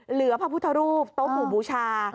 เหลือพระพุทธรูปต้มหมู่บูชา